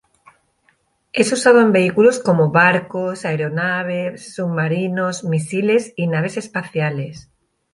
Es usado en vehículos como barcos, aeronaves, submarinos, misiles, y naves espaciales.